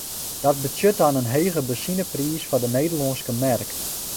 Dat betsjut dan in hege benzinepriis foar de Nederlânske merk.